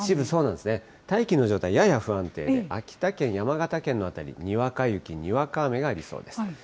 そうなんですね、大気の状態、やや不安定で、秋田県、山形県の辺り、にわか雪、にわか雨になりそうです。